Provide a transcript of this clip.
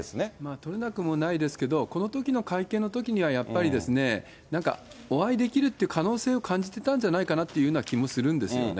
取れなくもないですけど、このときの会見のときには、やっぱり、なんか、お会いできるっていう可能性を感じてたんじゃないかなというような気もするんですよね。